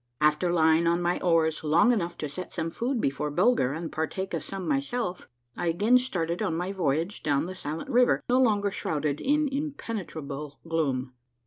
After lying on my oars long enough to set some food before Bulger and partake of some myself, I again started on my voyage down the silent river, no longer shrouded in impene trable gloom.